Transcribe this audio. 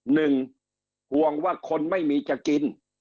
หนึ่งห่วงว่าคนไม่มีจะกิน